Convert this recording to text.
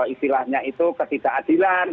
istilahnya itu ketidakadilan